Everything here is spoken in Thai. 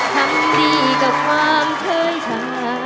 ทำดีกับความเคยชา